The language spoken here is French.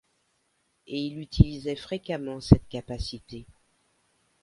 Et il utilisait fréquemment cette capacité.